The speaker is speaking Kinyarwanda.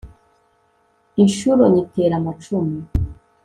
inshuro nyitera amacumu